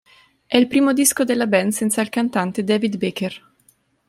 È il primo disco della band senza il cantante David Baker.